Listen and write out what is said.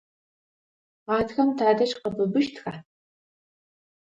Гъатхэм тадэжь къэбыбыжьыщтха?